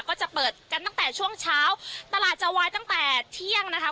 ก็จะเปิดกันตั้งแต่ช่วงเช้าตลาดจะวายตั้งแต่เที่ยงนะคะ